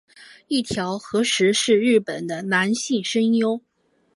一条和矢是日本男性声优。